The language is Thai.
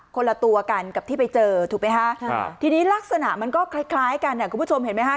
คนละตัวกันกับที่ไปเจอถูกไหมฮะทีนี้ลักษณะมันก็คล้ายกันคุณผู้ชมเห็นไหมฮะ